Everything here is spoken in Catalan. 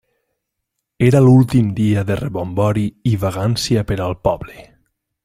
Era l'últim dia de rebombori i vagància per al poble.